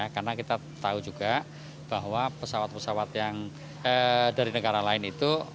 karena kita tahu juga bahwa pesawat pesawat dari negara lain itu